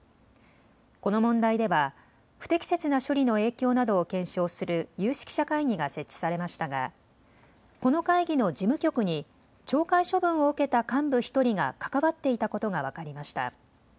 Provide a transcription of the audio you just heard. この問題では不適切な処理の影響などを検証する有識者会議が設置されましたがこの会議の事務局に懲戒処分を受けた幹部１人が関わっていたことが分かりました。